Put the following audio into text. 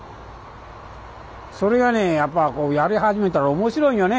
それがねやっぱこうやり始めたら面白いんよね。